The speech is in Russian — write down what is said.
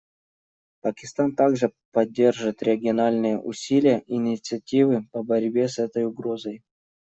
Пакистан также поддержит региональные усилия и инициативы по борьбе с этой угрозой.